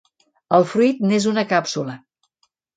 El fruit n'és una càpsula.